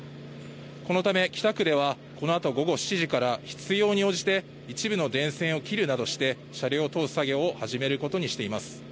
このため北区ではこのあと午後７時から必要に応じて一部の電線を切るなどして車両を通す作業を始めることにしています。